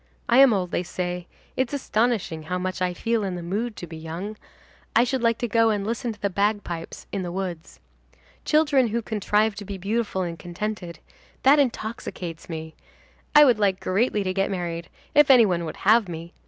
I am old, they say; it's astonishing how much I feel in the mood to be young. I should like to go and listen to the bagpipes in the woods. Children who contrive to be beautiful and contented,—that intoxicates me. I would like greatly to get married, if any one would have me.